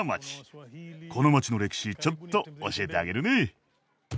この街の歴史ちょっと教えてあげるね。